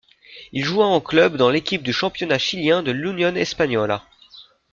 Il joua en club dans l'équipe du championnat chilien de l'Unión Española.